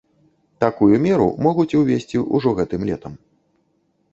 Такую меру могуць увесці ўжо гэтым летам.